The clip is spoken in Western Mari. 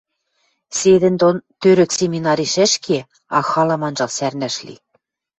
Седӹндон тӧрӧк семинариш ӹш ке, а халам анжал сӓрнӓш ли.